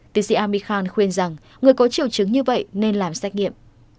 tiến sĩ ami khan khuyên rằng người có triệu chứng như vậy nên làm xét nghiệm